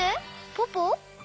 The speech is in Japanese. ポポ？